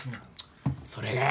それがよ